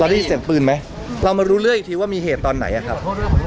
ได้ยินเสียงปืนไหมเรามารู้เรื่องอีกทีว่ามีเหตุตอนไหนอะครับ